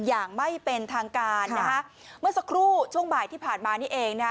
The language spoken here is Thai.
อย่างไม่เป็นทางการนะคะเมื่อสักครู่ช่วงบ่ายที่ผ่านมานี่เองนะฮะ